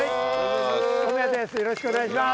よろしくお願いします。